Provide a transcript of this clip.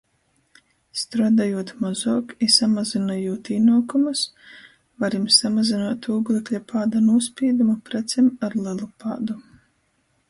Struodojūt mozuok i samazynojūt īnuokumus, varim samazynuot ūglekļa pāda nūspīdumu precem ar lelu pādu.